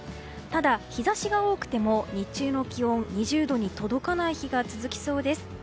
ただ、日差しが多くても日中の気温、２０度に届かない日が続きそうです。